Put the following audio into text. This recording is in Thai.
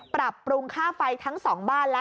ปรับปรุงค่าไฟทั้งสองบ้านแล้ว